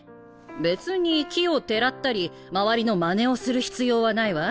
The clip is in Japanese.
別に奇をてらったり周りのまねをする必要はないわ。